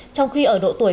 trong khi ở độ tuổi